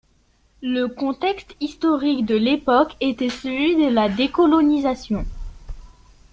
Le contexte historique de l'époque était celui de la décolonisation.